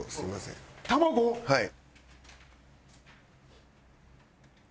はい。